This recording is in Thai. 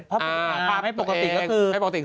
ท์ภาพให้ปกติก็คือภาพสวีท์